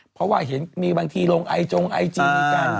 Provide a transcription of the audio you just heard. เพราะว่าเห็นมีบางทีลงไอจงไอจีกัน